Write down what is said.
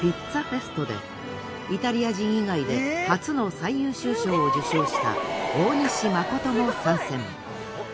ＰＩＺＺＡＦＥＳＴでイタリア人以外で初の最優秀賞を受賞した大西誠も参戦。